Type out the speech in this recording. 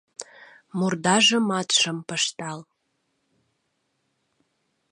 Мурдажымат шым пыштал.